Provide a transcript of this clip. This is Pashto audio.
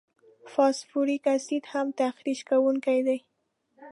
فاسفوریک اسید هم تخریش کوونکي دي.